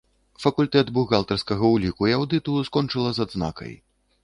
Факультэт бухгалтарскага ўліку і аўдыту, скончыла з адзнакай.